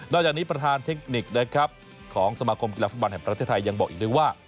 นอกจากนี้ประธานเทคนิกของสมกกีฬฟุตบอลแห่งประเทศไทยยังบอกอีกเลยว่า